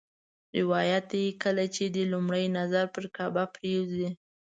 روایت دی کله چې دې لومړی نظر پر کعبه پرېوځي.